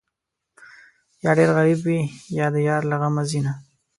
یا ډېر غریب وي، یا د یار له غمه ځینه